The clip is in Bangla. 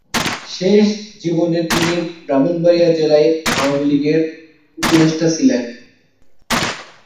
শেষ জীবনে তিনি ব্রাহ্মণবাড়িয়ায় জেলা আওয়ামী লীগের উপদেষ্টা ছিলেন।